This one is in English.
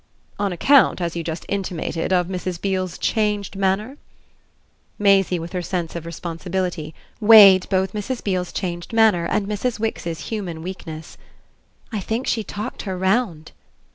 "On account, as you just intimated, of Mrs. Beale's changed manner?" Maisie, with her sense of responsibility, weighed both Mrs. Beale's changed manner and Mrs. Wix's human weakness. "I think she talked her round."